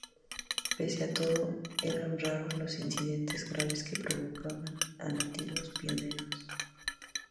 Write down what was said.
Pese a todo, eran raros los incidentes graves que involucraban a nativos y pioneros.